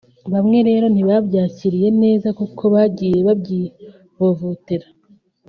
bamwe rero ntibabyakiriye neza kuko bagiye babyivovotera